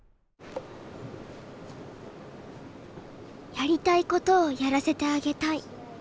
やりたいことをやらせてあげたい。